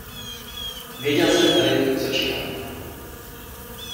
Věděl jsem tedy, co čekat.